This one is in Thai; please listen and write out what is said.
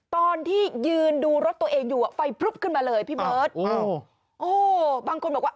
ตอนที่ยืนดูรถตัวเองอยู่อ่ะไฟพลึบขึ้นมาเลยพี่เบิร์ตโอ้บางคนบอกว่า